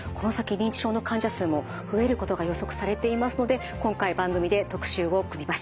認知症の患者数も増えることが予測されていますので今回番組で特集を組みました。